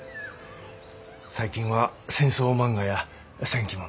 最近は戦争漫画や戦記物